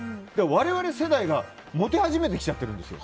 我々世代がモテ始めてきちゃってるんです。